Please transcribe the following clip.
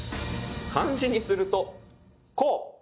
漢字にするとこう。